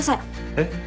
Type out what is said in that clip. えっ？